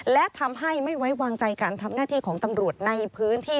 และทำให้ไม่ไว้วางใจการทำหน้าที่ของตำรวจในพื้นที่